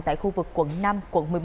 tại khu vực quận năm quận một mươi một